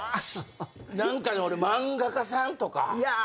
何か俺漫画家さんとか。